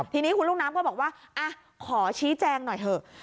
ทีนี้คุณลูกน้ำก็บอกว่าขอชี้แจงหน่อยเถอะ